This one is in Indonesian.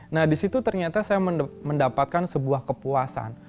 nah disitu ternyata saya mendapatkan sebuah kepuasan